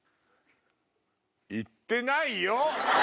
行ってないよ！